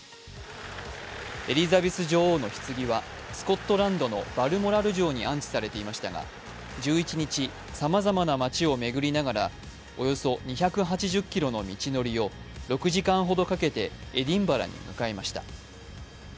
エリザベス女王のひつぎは、スコットランドのバルモラル城に安置されていましたが、１１日さまざまな街を巡りながらおよそ２８０ｋｍの道のりを６時間ほどかけてエディンバラに向かいました。